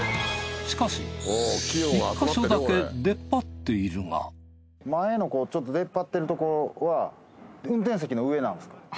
しかし１か所だけ出っ張っているが前のちょっと出っ張ってるところは運転席の上なんですか？